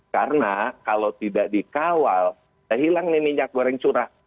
karena kalau tidak dikawal hilang nih minyak goreng curah